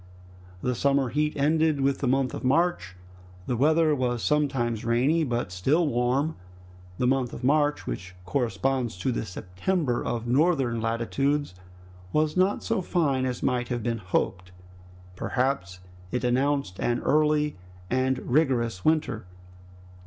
The summer heat ended with the month of March. The weather was sometimes rainy, but still warm. The month of March, which corresponds to the September of northern latitudes, was not so fine as might have been hoped. Perhaps it announced an early and rigorous winter.